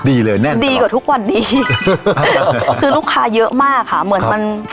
ดีเลยแน่นดีกว่าทุกวันนี้คือลูกค้าเยอะมากค่ะเหมือนมัน